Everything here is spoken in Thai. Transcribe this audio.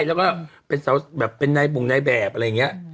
ใช่แล้วก็เป็นแบบเป็นในบุงในแบบอะไรอย่างเงี้ย